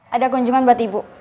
ada kunjungan buat ibu